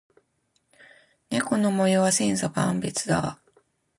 猫の模様は千差万別だ。